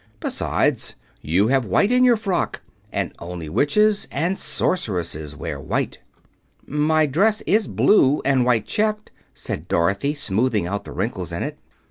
Besides, you have white in your frock, and only witches and sorceresses wear white." "My dress is blue and white checked," said Dorothy, smoothing out the wrinkles in it.